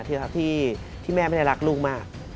ที่แม่ไม่ได้รักลูกมาก